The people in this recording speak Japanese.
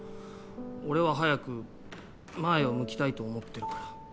俺は早く前を向きたいと思ってるから。